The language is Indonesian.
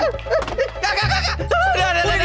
kakak kakak udah udah udah udah